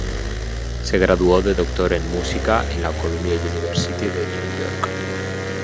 Se graduó de Doctor en Música en la Columbia University de New York.